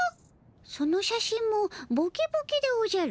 その写真もボケボケでおじゃる。